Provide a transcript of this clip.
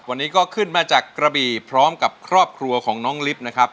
วันนี้ก็ขึ้นมาจากกระบีพร้อมกับครอบครัวของน้องลิฟต์นะครับ